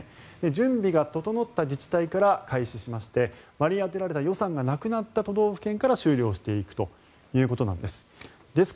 準備が整った自治体から開始しまして割り当てられた予算がなくなった都道府県から終了していくということなんです。